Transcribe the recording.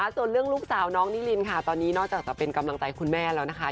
ส่วนเรื่องลูกสาวน้องนิรินค่ะตอนนี้นอกจากจะเป็นกำลังใจคุณแม่แล้วนะคะ